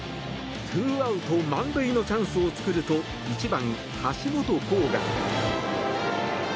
ツーアウト満塁のチャンスを作ると１番、橋本航河。